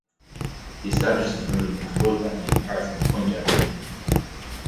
He established his rule in the Kabul Valley and parts of the Punjab region.